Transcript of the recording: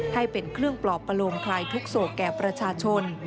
ให้เป็นเครื่องปลอบประโลมคลายทุกข์โศกแก่ประชาชน